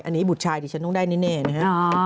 อันนี้บุตรชายที่ฉันต้องได้แน่นะฮะ